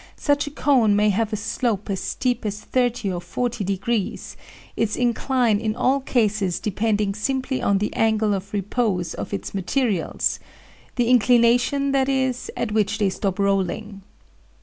Such a cone may have a slope as steep as 30 or 40 degrees, its incline in all cases depending simply on the angle of repose of its materials; the inclination, that is, at which they stop rolling.